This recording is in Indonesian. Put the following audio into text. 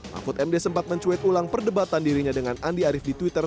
mahfud md sempat mencuit ulang perdebatan dirinya dengan andi arief di twitter